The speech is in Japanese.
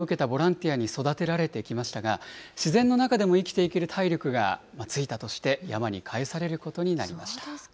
県から委嘱を受けたボランティアに育てられてきましたが、自然の中でも生きていける体力がついたとして、山に返されることになりました。